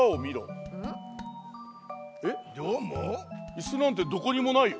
イスなんてどこにもないよ。